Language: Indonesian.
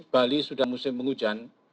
bali sudah musim penghujan